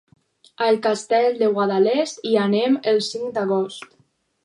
A el Castell de Guadalest hi anem el cinc d'agost.